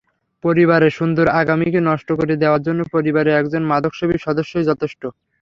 পরিবারের সুন্দর আগামীকে নষ্ট করে দেওয়ার জন্য পরিবারে একজন মাদকসেবী সদস্যই যথেষ্ট।